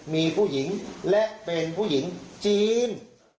มีผู้หญิงและเป็นผู้หญิงจีน